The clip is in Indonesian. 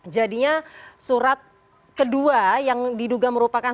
jadinya surat kedua yang diduga merupakan